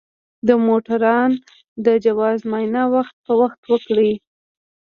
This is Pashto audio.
د موټروان د جواز معاینه وخت په وخت وکړئ.